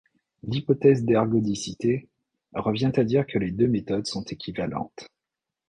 L'hypothèse d'ergodicité revient à dire que les deux méthodes sont équivalentes.